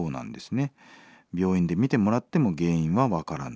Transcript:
病院で診てもらっても原因は分からない。